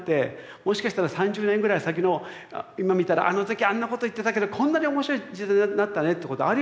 もしかしたら３０年ぐらい先の今見たらあの時あんなこと言ってたけどこんなに面白い時代になったねってことありえるかもしれない。